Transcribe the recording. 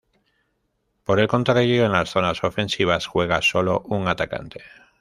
Por el contrario, en las zonas ofensivas juega solo un atacante.